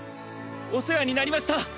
お世話になりました！